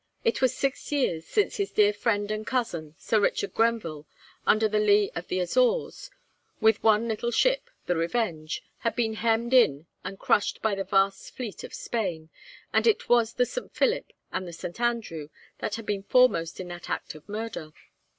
It was six years since his dear friend and cousin, Sir Richard Grenville, under the lee of the Azores, with one little ship, the 'Revenge,' had been hemmed in and crushed by the vast fleet of Spain, and it was the 'St. Philip' and the 'St. Andrew' that had been foremost in that act of murder.